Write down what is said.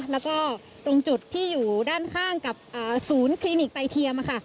แล้วก็ตรงจุดที่อยู่ด้านข้างกับศูนย์คลินิกไตเทียม